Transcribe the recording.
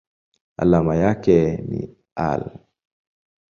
Alama yake ni Al.